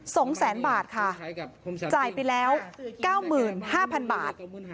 สองแสนบาทค่ะจ่ายไปแล้วเก้าหมื่นห้าพันบาท